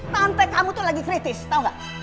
konteks kamu tuh lagi kritis tau gak